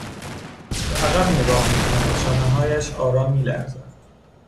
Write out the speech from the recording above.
به عقب نگاه میکند شانههایش آرام میلرزد